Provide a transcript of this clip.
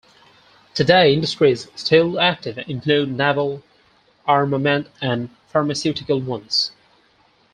Today industries still active include naval, armament and pharmaceutical ones.